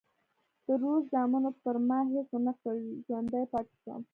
د روس زامنو پر ما هېڅ ونه کړل، ژوندی پاتې شوم.